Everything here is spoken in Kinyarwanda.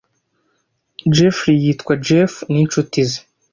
Jeffrey yitwa Jeff n'inshuti ze.